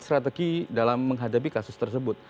strategi dalam menghadapi kasus tersebut